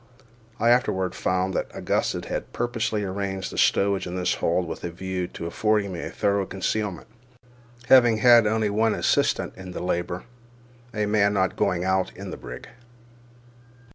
I afterward found that Augustus had purposely arranged the stowage in this hold with a view to affording me a thorough concealment, having had only one assistant in the labour, a man not going out in the brig.